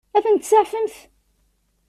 Ad tent-tseɛfemt?